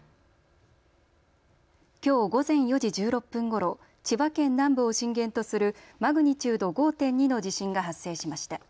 きょう午前４時１６分ごろ千葉県南部を震源とするマグニチュード５．２の地震が発生しました。